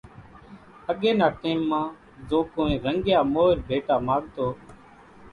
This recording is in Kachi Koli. اڳي نا ٽيم مان زو ڪونئين رنڳيا مورِ ڀيٽا ماڳتو،